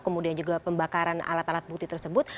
kemudian juga pembakaran alat alat bukti tersebut